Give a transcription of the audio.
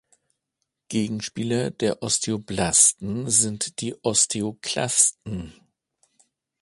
Gegenspieler der Osteoblasten sind die Osteoklasten.